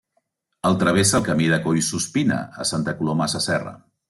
El travessa el Camí de Collsuspina a Santa Coloma Sasserra.